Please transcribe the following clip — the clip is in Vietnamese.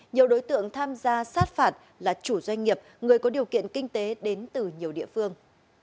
nhiều đối tượng tham gia sát phạt là chủ doanh nghiệp người có điều kiện kinh tế đến từ nhiều địa phương